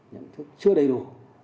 nhận thức chưa đầy đủ